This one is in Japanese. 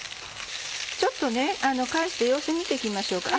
ちょっと返して様子見て行きましょうか。